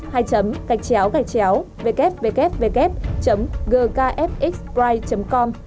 ngay chấm gạch chéo gạch chéo www gkfxpride com